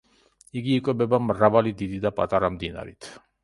იგი იკვებება მრავალი დიდი და პატარა მდინარით.